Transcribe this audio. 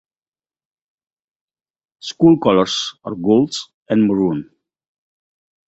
School colors are gold and maroon.